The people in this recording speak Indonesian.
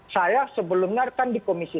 saya sebelumnya kan di komisi tiga